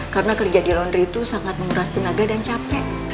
karena kerja di laundry itu sangat menguras tenaga dan capek